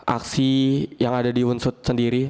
aksi yang ada di hunsut sendiri